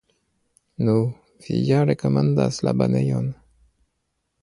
Nu, vi ja rekomendas la banejon.